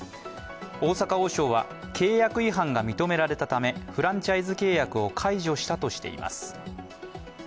大阪王将は、契約違反が認められたためフランチャイズ契約を解除したとしています。